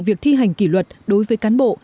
việc thi hành kỷ luật đối với cán bộ